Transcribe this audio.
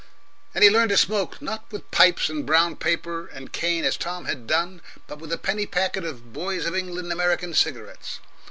And he learnt to smoke, not with pipes and brown paper and cane as Tom had done, but with a penny packet of Boys of England American cigarettes.